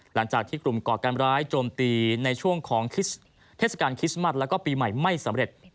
หลังจากที่กลุ่มก่อการร้ายโจมตีในช่วงของเทศกาลคริสต์มัสแล้วก็ปีใหม่ไม่สำเร็จ